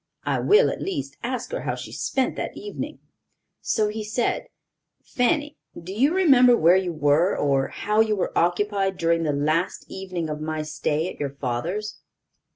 I will, at least, ask her how she spent that evening," so he said: "Fanny, do you remember where you were, or how you were occupied during the last evening of my stay at your father's?"